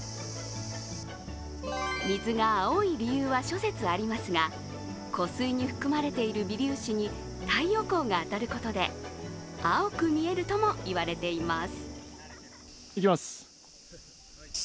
水が青い理由は諸説ありますが、湖水に含まれている微粒子に太陽光が当たることで青く見えるとも言われています。